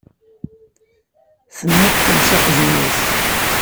Temmuqqel s aqjun-is.